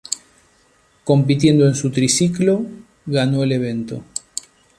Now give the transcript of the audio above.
Compitiendo en su triciclo, ganó el evento.